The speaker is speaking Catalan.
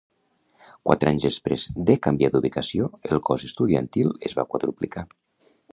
Quatre anys després de canviar d'ubicació, el cos estudiantil es va quadruplicar.